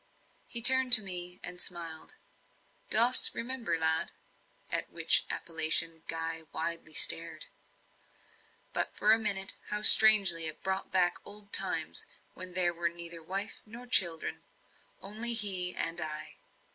He turned to me and smiled. "Dost remember, lad?" at which appellation Guy widely stared. But, for a minute, how strangely it brought back old times, when there were neither wife nor children only he and I!